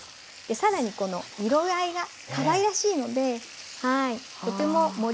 さらにこの色合いがかわいらしいのでとても盛り映えもします。